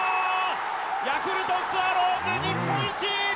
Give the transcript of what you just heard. ヤクルトスワローズ、日本一！